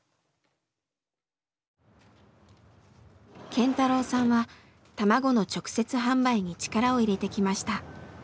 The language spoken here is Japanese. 健太郎さんは卵の直接販売に力を入れてきました。